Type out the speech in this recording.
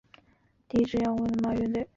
第一支摇滚乐队是万李马王乐队。